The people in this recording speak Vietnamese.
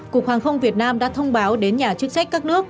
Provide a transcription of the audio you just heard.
cục hàng không việt nam đã thông báo đến nhà chức trách các nước